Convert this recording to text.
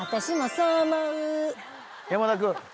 山田君。